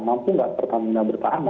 mampu nggak pertamina bertahan